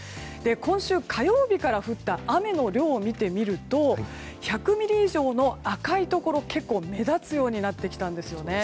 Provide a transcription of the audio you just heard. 今週火曜日から降った雨の量を見てみると１００ミリ以上の赤いところ結構目立つようになってきたんです。